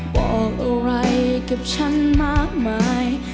บอกอะไรกับฉันมากมาย